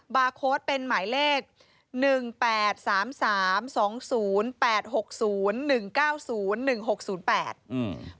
บาร์โค้ดเป็นหมายเลขหนึ่งแปดสามสามสองศูนย์แปดหกศูนย์หนึ่งเก้าศูนย์หนึ่งหกศูนย์แปดอืม